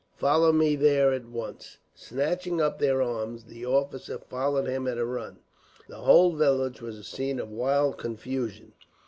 Follow me there at once." Snatching up their arms, the officers followed him at a run. The whole village was a scene of wild confusion.